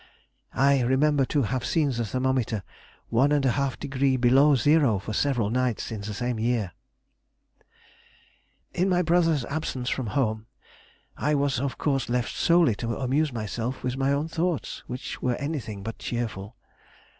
I remember to have seen the thermometer 1½ degree below zero for several nights in the same year.... [Sidenote: 1783. Life at Datchet.] ... In my brother's absence from home, I was of course left solely to amuse myself with my own thoughts, which were anything but cheerful.